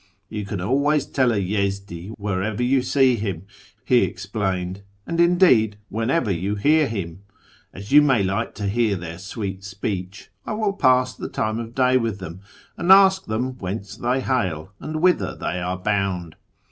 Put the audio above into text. " You can always tell a Yezdi wherever you see him," he explained, " and, indeed, whenever you hear him. As you may like to hear their sweet speech, I will pass the time of day with them, and ask them whence they hail and whither they are bound."